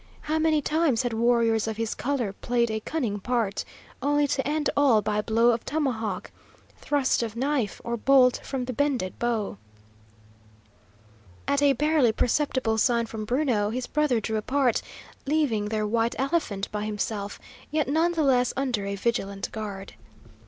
How many times had warriors of his colour played a cunning part, only to end all by blow of tomahawk, thrust of knife, or bolt from the bended bow? At a barely perceptible sign from Bruno, his brother drew apart, leaving their "white elephant" by himself, yet none the less under a vigilant guard.